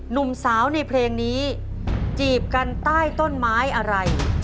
หนุ่มสาวในเพลงนี้จีบกันใต้ต้นไม้อะไร